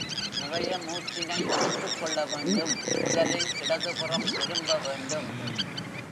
நிறைய மூச்சினை இழுத்துக் கொள்ள வேண்டும் முதலில் இடதுபுறம் திரும்ப வேண்டும்.